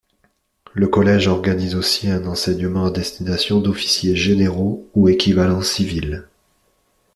Le collège organise aussi un enseignement à destination d'officiers généraux ou équivalent civil.